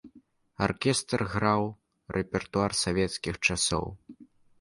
Аркестр граў рэпертуар савецкіх часоў.